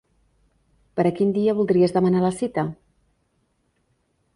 Per a quin dia voldries demanar la cita?